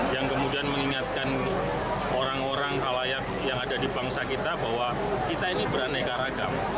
yang kemudian mengingatkan orang orang halayak yang ada di bangsa kita bahwa kita ini beraneka ragam